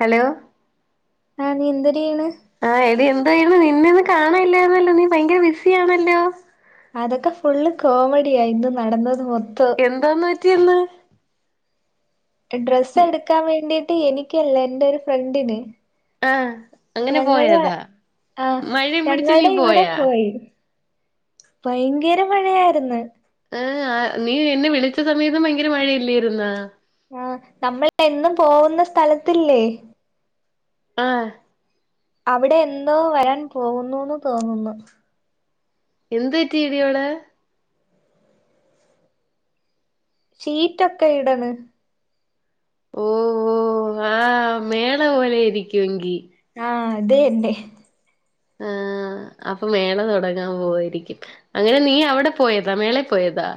Hello ആഹാ നീ എന്തരെയ്യ്ണ്? ആഹാ എടീ എന്തായിന്ന് നിന്നെയിന്ന് കാണായില്ലായിര്ന്നല്ലോ? നീ ഭയങ്കര ബിസിയാണല്ലോ? അതൊക്കെ ഫുള്ള് കോമഡിയാ ഇന്ന് നടന്നത് മൊത്തം എന്തോന്ന് പറ്റീന്ന്? ഡ്രസ്സെടുക്കാൻ വേണ്ടിട്ട് എനിക്കല്ലേ എന്റെരു ഫ്രണ്ടിന് ആഹ് അങ്ങനെ ഞങ്ങള പോയതാ ആഹ മഴയും പിടിച്ച് നീ ഞങ്ങൾടെ ഇവിടെ പോയാ പോയി ഭയങ്കര മഴയാര്ന്ന് ആഹ് നീ എന്നെ വിളിച്ച സമയത്തും ഭയങ്കര മഴയല്ലായിരുന്നോ? ആഹാ നമ്മളെന്നും പോവുന്ന സ്ഥലത്തില്ലേ? ആഹ അവിടെ എന്തോ വരാൻ പോകുന്നൂന്ന് തോന്നുന്നു എന്ത് പറ്റീടിയവടെ? ഷീറ്റൊക്കെ ഇടണ് ഓ ഓ ആഹ മേള പോലെയിരിക്കും എങ്കി ആഹ അതെന്നെ ആഹ് അപ്പൊ മേള തുടങ്ങാൻ പോവ്വാരിക്കും അങ്ങനെ നീ അവിട പോയതാ മേളെ പോയതാ?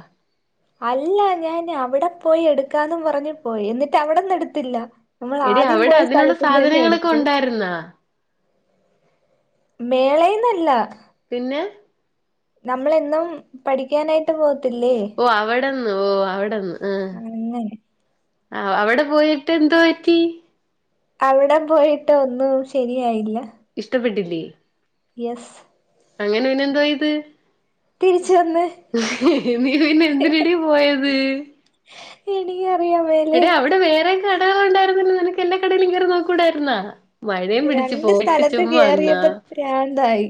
അല്ല ഞാൻ അവ്ടെ പോയി എടുക്കാന്നും പറഞ്ഞു പോയി എന്നിട്ട് അവിടന്ന് എടുത്തില്ല നമ്മൾ ആദ്യം പോയ സ്ഥലത്തുന്ന് തന്നെ എടുത്തെ ആര്ന്നാ മേളേന്നല്ല പിന്നെ നമ്മളെന്നും പഠിക്കാനായി ട്ട് പോത്തില്ലേ ഓ അവടെന്ന് ഓ അവടെന്ന് ആഹ് അങ്ങനെ ആ അവടെ പോയിട്ട് എന്തോറ്റി അവ്ടെ പോയിട്ട് ഒന്നും ശരിയായില്ല ഇഷ്ടപ്പെട്ടില്ലേ യെസ് അങ്ങനെണെ ന്തോയ്ത് തിരിച്ച് വന്ന് നീ പിന്നെ ന്തിനേടീ പോയത് എനിക്കറിയാവ എടെ അവിടെ വേറെ കടകളും ണ്ടായിരുന്നല്ലോ നിനക്ക് എല്ലാ കടയിലും കേറി നോക്കൂടായിരുന്നാ മഴയും പിടിച്ച് രണ്ട് പോയിട്ട് സ്ഥലത്ത് ചുമ്മാ വന്നാ കേറിയപ്പോ പ്രാന്തായി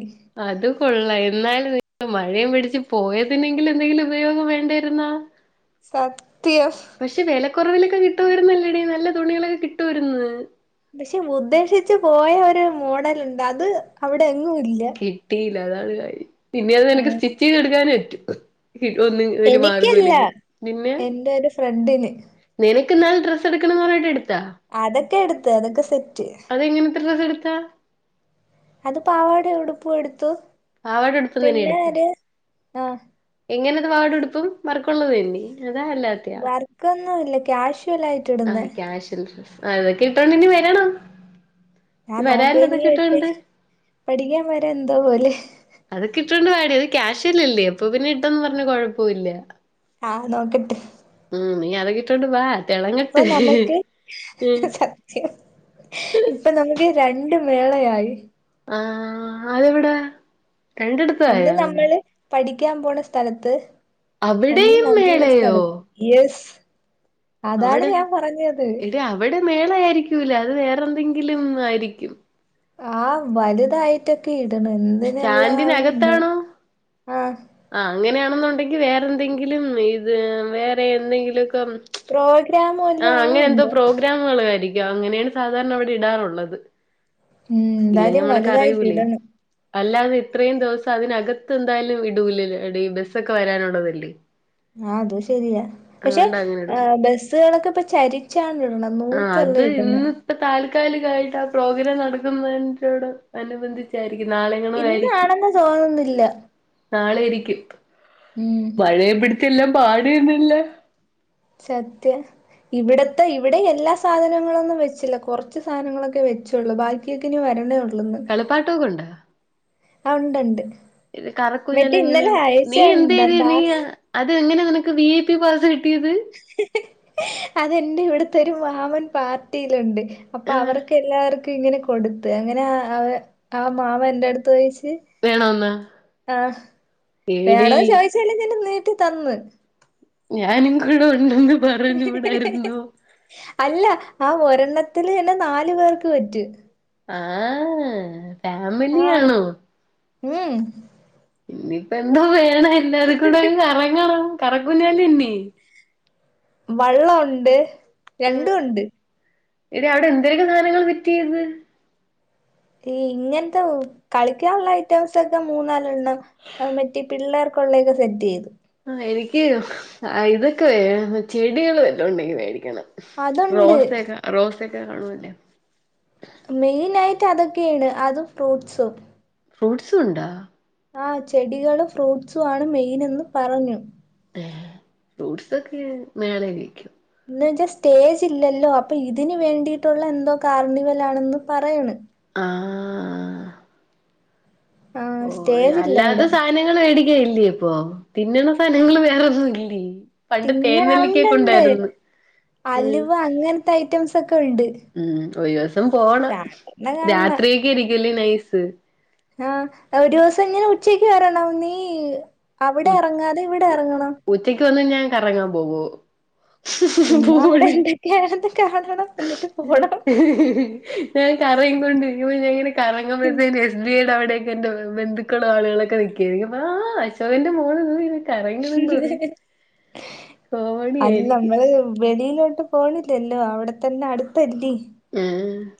അത് കൊള്ള എന്നാലും നി മഴയും പിടിച്ച് പോയതിനെങ്കിലും ന്തെങ്കിലും ഉപയോഗം വേണ്ടായിരുന്നോ സത്യം. പക്ഷെ വെലക്കുറവിലൊക്കെ കിട്ടുവായിരുന്നല്ലോടീ നല്ല തുണികളൊക്കെ കിട്ടുവായിര്ന്ന്. പക്ഷെ ഉദ്ദേശിച്ച് പോയ ഒരു മോഡലുണ്ട് അത് അവടെ എങ്ങുല്ല കിട്ടിയില്ല അതാണ് കാര്യം പിന്നെ അത് നിനക്ക് ആഹ് സ്റ്റിച്ച് ചെയ്തെടുക്കാനെ റ്റൂ ഇതോന്നും ഒരു എനിക്കല്ല മാർഗോല്ലെങ്കി നിന്നെയാ എന്റെ ഒരു ഫ്രണ്ടിന് നിനക്ക് ഇന്നാള് ഡ്രസ് എടുക്കണം പറഞ്ഞട്ട് എടുത്താ അതെക്കെ എട്ത്ത് അതൊക്കെ സെറ്റ് അതെങ്ങൻത്തെ ഡെസ്സ്‌ എടുത്താ അത് പാവാടെ ഉടുപ്പൂ എടുത്തു. പാവാട ട്പ്പു ന്നിനീ പിന്നെ എട്ത്താ ഒരു ആഹ് എങ്ങനെത് വാടെടുപ്പും വർക്കുള്ളതന്നെ അതാ അല്ലാ വർക്കൊന്നൂല്ല ക്യാഷ്വലയി ആ ക്യാഷ്യൽ ആ അത് കിട്ടണെങ്കി വരണം ഞാൻ നോക്ക വരാല്ലോ അതൊക്കെ എനിക്ക് ഇട്ടോണ്ട് ക്ഷേ പഠിക്കാൻ വരാ എന്തോ പോലെ അതൊക്കെ ഇട്ടൊണ്ട് വാടി അത് ക്യാഷ്വലല്ലേ അപ്പൊ പിന്നെ ഇട്ടൊന്ന് പറഞ്ഞഞ് കുഴപ്പൊല്ല. ആഹ് നോക്കട്ട് ഉം നീ അതൊ കിട്ടോണ്ട് വാ പ്പൊ തെളങ്ങട്ട് നമുക്ക് ഉം സ ഇപ്പൊ നമുക്ക് രണ്ട് മേളയായി ആ അതെവ്ടെ ഒന്ന് നമ്മള് പഠിക്കാൻ പോണ സ്ഥലത്ത് ഒന്ന് അവിടെയും നമ്മുടെ മേളയോ സ്ഥലത്ത് യെസ് അതാണ് ഞാൻ പറഞ്ഞത് അവെടെ മേള ആയിരിക്കൂല്ല അത് വേറെന്തെങ്കിലും ആയിരിക്കും. ആഹ് വലുതായിട്ടൊക്കെ ഇടണ് ന്തിനു ള്താണെന്തോ ആഹ് ആ അങ്ങനെയാണെന്നുണ്ടെങ്കിൽ വേറെ ന്തെങ്കിലും ഇത് വേറെ എന്തെങ്കിലൊക്കെ പ്രോഗ്രാം വല്ലും ആണോ എന്തോ [unintelligible] യിരിക്കും അങ്ങനെയാണ് സാധാരണ വിടെ ഇടാറുള്ളത്. ഉം ഇല്ലെങ്കി എന്തായാലും മ്മള് വലുതായിട്ട് കരയൂലെ ഇടണം അല്ലാതെ ഇത്രയും ദിവസം അതിനകത്ത് ന്തായാലും ഇടൂല ടീ ബെസ്സൊക്കെ വരാനുള്ളതല്ലേ ആ അതു ശരിയാ പക്ഷെ അതുകൊണ്ട് അങ്ങനെ ഇടൂല ബെസ്സുകളൊക്കെ പ്പ ചരി ചാ ഇടണ നൂത്തല്ല ഇടണെ ഇപ്പൊ താൽക്കാലികായിട്ട് ആ പ്രോഗ്രാം നടക്കുന്നതിന്റെ കൂടെ അനുബന്ധിച്ചായിരിക്കും നാളെങ്ങണോ ആയിരിക്കും ഇന്നാണെന്ന് തോന്നുന്നില്ല. നാളെ ഇരിക്കും ഉം മഴയെയും പിടിച്ച് എല്ലാം പാടുതന്നെല്ലെ സത്യം ഇവിടത്തെ ഇവിടെ എല്ലാ സാധനങ്ങളൊന്നും വെച്ചില്ല കൊറച്ച് സാധനങ്ങളൊക്കെ വെച്ചുള്ളൂ ബാക്കിയൊക്കെ ഇനി വരണേ ഉള്ളൂ ളൊന്ന് പാട്ട് ബുക്ക് ഉണ്ടാ ഇത് കറക്കുഞ്ഞാല് മറ്റേ ഇന്നലെ എങ്ങനെയാണ് നീ എന്ത് അയച്ചണ്ട ചെയ്യും പാസ് നീയാ അത് എങ്ങനാ നിനക്ക് വി ഐ പി പാസ് കിട്ടിയത് [unintelligible] അതെന്റെ ഇവിടത്തെ ഒരു മാമൻ പാർട്ടിയിലുണ്ട് അപ്പൊ ആഹ് അവർക്ക് എല്ലാവർക്കും ഇങ്ങനെ കൊടുത്ത് അങ്ങനെ ആ മാമൻ എൻ്റെ അടുത്ത് ചോയ്ച്ച് വേണോന്നാ ആഹ് എടി വേണോ ചോദിച്ചാലേ എനി നീട്ടി തന്ന് ഞാനും കൂടെ ഉണ്ടെന്ന് പറഞ്ഞൂടായിരുന്നോ [unintelligible] അല്ല ആ ഒരെണ്ണത്തില് തന്നെ നാലു പേർക്ക് പറ്റും ആഹ് ആഹ് ഫാമിലിയാണോ ഉം ഇനിയിപ്പ എന്തോ വേണം എല്ലാരും കൂടെ കറങ്ങ കറങ്ങൂലാലോ ഇന്നീ വള്ളം ഉണ്ട് ആഹ് രണ്ടും ഉണ്ട് എടി അവിടെ എന്തൊരെക്കെ സധനങ്ങള് ഫിറ്റ് ചെയ്ത് ഈ ഇങ്ങനത്തെ കളിക്കാനുള്ള ഐറ്റംസ് ഒക്കെ മൂന്നാല് എണ്ണം അത് മറ്റേ പിള്ളേർക്കുള്ളൊക്കെ സെറ്റ് ചെയ്ത് ആഹ് എനിക്ക് ഇതൊക്കെ ചെടികള് വല്ലൊണ്ടെങ്കിൽ മേടിക്കണം അതുണ്ട് റോസ് ഒക്കെ റോസ് ഒക്കെ കാണുവല്ലേ മെയിന് ആയിട്ട് അതൊക്കെയാണ് അതും ഫ്രൂട്ട്സും ഫ്രൂട്ട്സും ഉണ്ടാ ആഹ് ചെടികളും ഫ്രൂട്ടസും ആണ് മെയിൻന്ന് പറഞ്ഞു ഏഹ് ഫ്രൂട്ട്സൊക്കെ മേളെ ഇരിക്കും എന്ന് വെച്ചാൽ സ്റ്റേജ് ഇല്ലല്ലോ അപ്പൊ ഇതിന് വേണ്ടിയിട്ടുള്ള എന്തോ കാർണിവൽ ആണെന്ന് പറയണ് ആഹ് ആഹ് ഓഹ് ആഹ് സ്റ്റേജ് ഇല്ല അല്ലാതെ ഇവിടെ സാ സാനങ്ങള് മേടിക്ക ഇല്ലേ അപ്പൊ തിന്നുന്ന സാനങ്ങള് വേറെൊന്നും ഇല്ലേ പണ്ട് തേൻനെല്ലിക്കയൊക്കെ തിന്നാനുണ്ടെന്ന് ഉണ്ടായിരുന്നു ഉം അലുവ അങ്ങനത്തെ ഐറ്റംസ് ഒക്കെ ഉണ്ടെന്ന് ഉം ഒരു ദിവസം പോണം കാണുന്ന രാത്രിയൊക്കെ ഇരിക്കല്ലേ നൈസ് ആഹ് ഒരു ദിവസം ഇങ്ങനെ ഉച്ചയ്ക്ക് വരണം നീ അവിടെ ഉ ഇറങ്ങാതെ ഇവിടെ ഇറങ്ങണം ഉച്ചക്ക് വന്ന ഞാൻ കറങ്ങാൻ പോകൂവോ [unintelligible] ചുമ്മാ അവിടെ പോടി എന്തൊക്കെയാണെന്ന് കാണണം എന്നിട്ട് പോണം [unintelligible] ഞാൻ കറയും കൊണ്ട് ഇങ്ങനെ കറങ്ങുമ്പോത്ത്ന് എസ് ബി ഐ ടെ അവിടെ എന്റെ ബന്ധുക്കളും ആളുകളൊക്കെ നിക്കായിരിക്കും അപ്പ ആ അശോകന്റെ മോള് ന്ന് കറങ്ങണന്ന് പറയും കോമഡി അല്ല ആയിരിക്കും നമ്മള് വെളിയിലോട്ട് പോണില്ലല്ലോ അവിടെ തന്നെ അടുത്തല്ലേ ആഹ്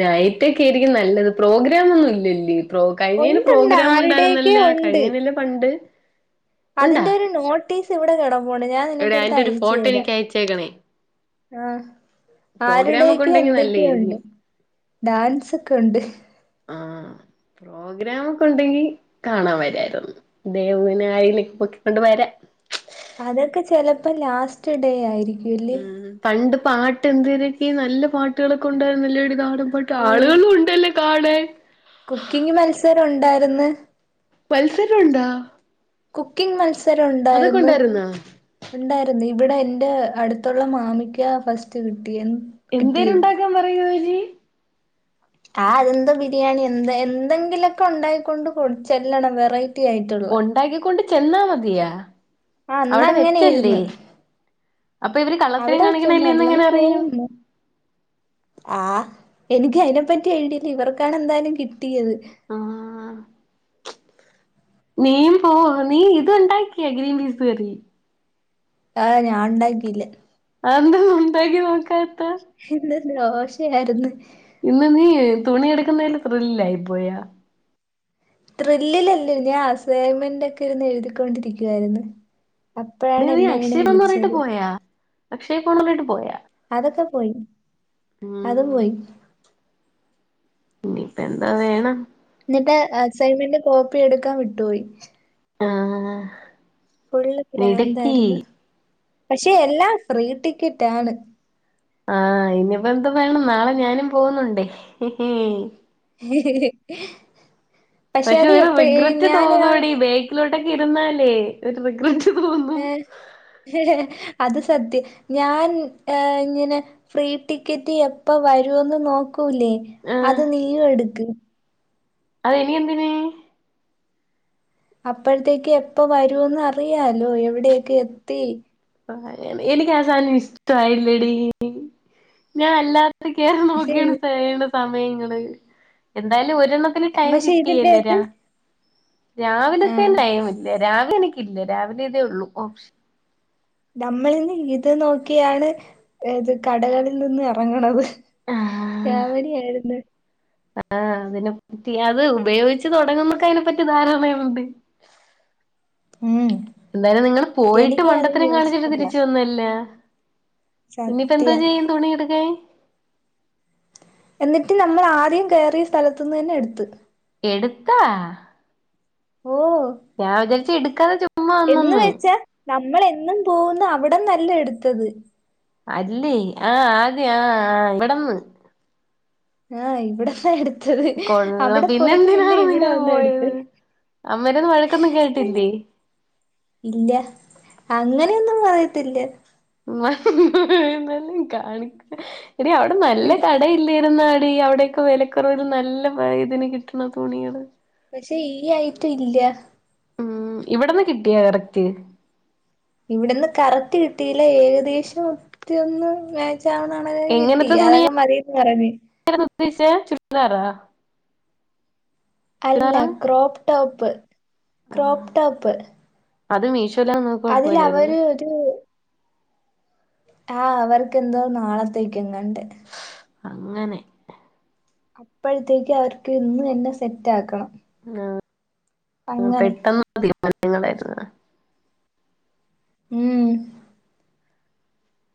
നൈറ്റൊക്കെ ആയിരിക്കും നല്ലത് പ്രോഗ്രാം ഒന്നും ഇല്ലല്ലേ പ്രൊ കഴിഞ്ഞേന് ഉണ്ടുണ്ട് പ്രോഗ്രാം ആരുടെയൊക്കെ ഉണ്ടായിരുന്നല്ലോ ഉണ്ട് കഴിഞ്ഞേനല്ലേ പണ്ട് ഉണ്ടാ അതിന്റെ ഒരു നോട്ടീസ് ഇവിടെ കിടപ്പുണ്ട് ഞാൻ നിനക്ക് എടാ എടുത്ത് അയിന്റെ ഒരു അയച്ചു ഫോട്ടോ തരാം എനിക്ക് അയച്ചേക്കണേ ആഹ് പ്രോഗ്രാം ഒക്കെ ആരുടെയൊക്കെ ഉണ്ടെങ്കി എന്തൊക്കെയുണ്ട് നല്ലായിരിക്കും ഡാൻസ് ഒക്കെ ഉണ്ട് ആഹ് പ്രോഗ്രാം ഒക്കെ ഉണ്ടെങ്കി കാണാൻ വരായിരുന്നു ദേവുനെ ആയിലെ പൊക്കിക്കൊണ്ട് വരാം അതൊക്കെ ചെലപ്പോ ലാസ്റ്റ് ഡേ ആയിരിക്കും ഉം പണ്ട് പാട്ട് എന്തിനൊക്കെ നല്ല പാട്ടുകളൊക്കെ ഉണ്ടായിരുന്നുനല്ലടി ഇതാണ് ന്നട്ട് ഉം ആളുകളു ഉണ്ടലോ കാണാൻ കുക്കിംഗ് മത്സരം ഉണ്ടായിര്ന്ന് പത്സരുണ്ടാ കുക്കിങ് മത്സരം ഉണ്ടായിര്ന്ന് ഉണ്ടായിരുന്നോ ഇണ്ടായിരുന്ന് ഇവിടെ എന്റെ അടുത്തുള്ള മാമിക്ക ഫസ്റ്റ് കിട്ടിയ എന്തെര് കിട്ടിയത്. ഉണ്ടാക്കാൻ പറയോര് ആഹ് അതെന്ത ബിരിയാണി എന്തെ എന്തെങ്കിലൊക്കെ ഉണ്ടായിക്കൊണ്ട് കൊട് ചെല്ലണം വെറൈ ഉണ്ടാക്കിക്കൊണ്ട് ചെന്നാമതിയാ ആ അന്ന് അവടെ വെച്ചല്ലേ അങ്ങനെയിരുന്നു. അപ്പഇവര് കള്ളത്തരം അവിടെ വെച്ചൊന്നും കാണിക്കണല്ലേന്ന് എങ്ങനെ അല്ലെന്ന് അറിയും ആഹാ എനിക്ക് അയിനെപ്പറ്റി ഐഡില്ല ഇവർക്കാണ് എന്തയാലും കിട്ടിയത് ആഹ് നീയും പോ നീ ഇത് ഉണ്ടാക്കിയ ഗ്രീൻപീസ്കറി ആഹ് ഞാൻ ഇണ്ടാക്കില്ല അത് എന്താ ഉണ്ടാക്കി നോക്കാത്തെ ഇന്ന് ദോശയായിരുന്ന് ഇന്ന് നീ തുണി എടുക്കുന്നേന്റെ ത്രില്ലയിപോയാ ത്രില്ല്ലല്ല ഞാൻ അസൈൻമെന്റ് ഒക്കെ ഇരുന്ന് എഴുതിക്കൊണ്ടിരിക്കുവായിരുന്നു ട അപ്പഴാണ് നീ എന്നെ ഇങ്ങനെ അക്ഷയ് പൊണ്റഞ്ഞിട്ട് വിളിച്ചത് പോയാ അക്ഷയ് പോണർഞ്ഞിട്ട് പോയാ അതൊക്കെ പോയി അത് ഉം പോയി ഇനിയിപ്പ എന്തോവേണം ന്നിട്ട് അസൈമെന്റ് കോപ്പി എടുക്കാൻ വിട്ടുപോയി ആഹ് ഫുൾ പ്രാന്ത് മിടുക്കി ആയിരുന്നു പക്ഷെ എല്ലാം ഫ്രീ ടിക്കറ്റ് ആണ് ആഹ് അയ്നിപ്പന്ത് വേണം നാളെ ഞാനും പോവുന്നുണ്ട് പക്ഷെ അത് ഒരു എപ്പ റിഗ്രറ്റ് ഞാൻ ആ തോന്നോടി ബേക്കിലോട്ടൊക്കെ ഇരുന്നാലേ ഒരു റിഗ്രറ്റ് തോ ഏഹ് അത് സത്യം ഞാൻ ഏഹ് ഇങ്ങനെ ഫ്രീ ടിക്കറ്റ് എപ്പ വരുവന്നു നോക്കൂലേ ആഹ് അത് നീയും എടുക്ക്. അത് ഇനി എന്തിന് അപ്പഴത്തേക്ക് എപ്പ വരൂന്ന് അറിയാലോ എവിടെയൊക്കെ എത്തി എനിക്ക് ആസാനം ഇഷ്ടയില്ലടീ ഞാ അല്ലാ ഇത് കേറി പക്ഷെ നോക്കിയാണ് ചെയ്യണ സമയങ്ങള് എന്തയാലും ഒരെണ്ണം തന്ന് ടൈം പക്ഷെ ഇതിന്റെകത്ത് കിട്ടിയില്ലരാ രാവിലത്ത ആഹ് ടൈം ഇല്ല രാവിലെനിക്കില്ല രാവിലെ ഇതേ ഒള്ളൂ ഓപ് നമ്മളിന്ന് ഇത് നോക്കിയാണ് ഏത് കടകളിൽ നിന്ന് എറങ്ങണത്. ആഹ് കോമഡി ആയിര്ന്ന് ആഹ് അതിനെപ്പറ്റി അത് ഉപയോഗിച്ച് തുടങ്ങുമ്പക്കെയിനെപ്പറ്റി ധാരാണയുണ്ട് ഉം [inaudible] എന്തായലും നിങ്ങള് പോയിട്ട് എനിക്ക് അത് മണ്ടത്തരം കാണിച്ചിട്ട് യൂസ്ഫുള്ളാ തിരിച്ചുവന്നലോ ഇനിപ്പ എന്തോ സത്യം ചെയ്യും തുണിഎടുക്കാൻ എന്നിട്ട് നമ്മള് ആദ്യം കേറിയ സ്ഥലത്ത്ന്നന്നെ എടുത്ത് എടുത്താ ഓ ഞാ വിചാരിച്ച് എടുക്കാണ ചു എന്ന് വെച്ച നമ്മളെന്നും പോവുന്ന അവിടന്നല്ല എട്ത്തത് അല്ലേ ആഹ് ആദ്യ ആഹ് ഇവിടന്ന് ആഹ് ഇവിടെന്നാ എടുത്തത് അവിടെപോയിട്ട് പിന്നെ ഇവിടെവന്നാ എടുത്തത് അമ്മേന്റെന്ന് വഴക്കൊന്നും കേട്ടില്ലേ ഇല്ല അങ്ങനെയൊന്നും പറയത്തില്ല [unintelligible] കാണിക്ക [unintelligible] അവിടെ നല്ല കട ഇല്ല യിരുന്നാടി അവിടെൊക്കെ വില [unintelligible] ഒരു നല്ല [unintelligible] ഇതിന് കിട്ടണ തുണിയള് പക്ഷെ ഈ അയിറ്റം ഇല്ല ഉം ഇവിടന്ന് കിട്ടിയാ ഇറക്തി [unintelligible] ഇവിടെന്ന് കറക്റ്റ് കിട്ടിയില്ല ഏകദേശം ഒറ്റൊന്ന് [unintelligible] [unintelligible] കിട്ടി അതൊക്കെ മതിന്ന് പറഞ് [unintelligible] ച ചുര്ദാറാ. അല്ല ക്രോപ്ടോപ്പ് ആഹ് ക്രോപ്ടോപ്പ് അത് മീശോല [unintelligible] അതില അവര് ഒരു ആ അവർക്ക്ന്തോ നാളത്തേക്കുംങ്ങണ്ട് അങ്ങനെ അപ്പോഴത്തേക്ക് അവർക്ക് ഇന്ന് തന്നെ സെറ്റ് ആക്കണം ആഹ് അങ്ങനെ പെട്ടെന്ന് തീരുമാനങ്ങളായിരുന്നു. ഉം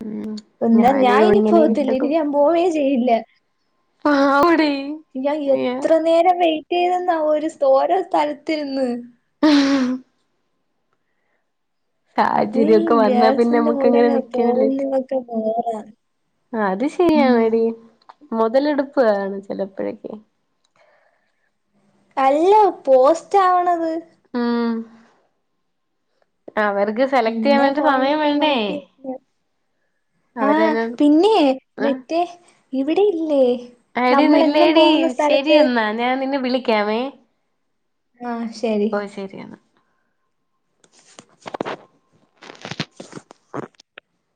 ഉം ഒന്നാ ഞാൻ ഇനി പോവത്തില്ല ഇനി ഞാൻ പോവേ ചെയ്യില്ല ആ വിടെ ഞാൻ എത്ര നേരം വെയിറ്റ് ചെയ്തന്നാ ഒരുസ് ഓരോ സ്ഥലത്തിന്ന് സാഹചര്യമൊക്കെ [unintelligible] വന്നാ പിന്നെ ഗേൾസിന്റെ നമ്മുക്ക് കൂടെ അങ്ങനെ നിക്കാനല്ലേ പറ്റു. പോകുന്നതൊക്കെ ബോറ ആ അത്‌ ശരിയാനടി മുതലെടുപ്പാണ് ചിലപ്പോഴക്കക്ക് അല്ല പോസ്റ്റ് ആവണത് ആഹ് അവർക്. പിന്നെ ഫോണൊക്കെ നോക്കി. [unintelligible] ആഹ് അവരന്നെ പിന്നെ ആ മെറ്റേ ഇവിടെയില്ലേ? എടി ന്നില്ലേടീ ശരി എന്നാ ഞാൻ നിന്നെ വിളിക്ക്യാമേ. ആ ശരി ഓ ശരി എന്നാ. [unintelligible]